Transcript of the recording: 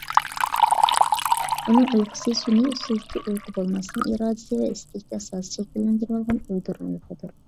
ئۇنىڭ ئۇيقۇسى سۈنئىي ئۇسۇلدىكى ئۇيقۇ بولماستىن، ئىرادىسى ۋە ئىستىكى ئاساسىدا شەكىللەندۈرۈۋالغان ئويدۇرما ئۇيقىدۇر.